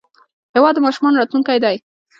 هېواد د ماشومانو راتلونکی دی.